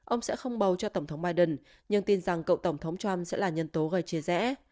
ông sẽ không bầu cho tổng thống biden nhưng tin rằng cựu tổng thống trump sẽ là nhân tố gây chia rẽ